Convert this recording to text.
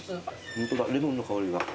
ホントだレモンの香りが。